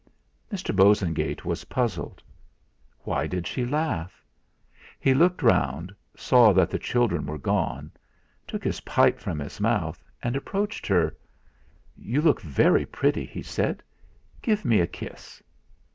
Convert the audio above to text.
Mr. Bosengate was puzzled. Why did she laugh? He looked round, saw that the children were gone, took his pipe from his mouth, and approached her. "You look very pretty," he said. "Give me a kiss!"